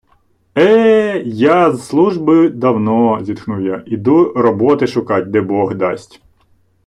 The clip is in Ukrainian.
- Е, я з служби давно, - зітхнув я, - іду роботи шукать, де бог дасть...